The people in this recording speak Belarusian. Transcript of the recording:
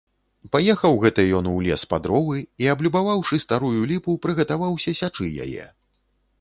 Паехаў гэта ён у лес па дровы і, аблюбаваўшы старую ліпу, прыгатаваўся сячы яе.